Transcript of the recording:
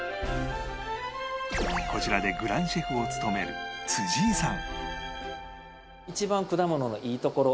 こちらでグランシェフを務める井さん